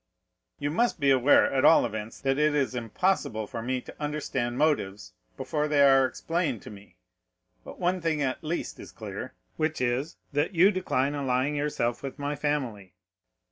"You must be aware, at all events, that it is impossible for me to understand motives before they are explained to me; but one thing at least is clear, which is, that you decline allying yourself with my family."